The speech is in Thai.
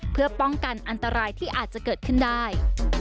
เพื่อป้องกันอันตรายที่อาจจะเกิดขึ้นได้